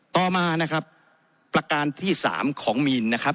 ต่อมานะครับประการที่สามของมีนนะครับ